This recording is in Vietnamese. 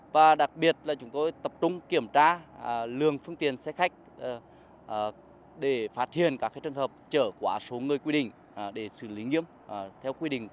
và đặc biệt là chúng tôi tập trung kiểm tra lường phương tiện xe khách để phát hiện các trường hợp chở quá số người quy định